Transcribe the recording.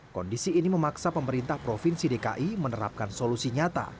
kondisi ini memaksa pemerintah provinsi dki menerapkan solusi nyata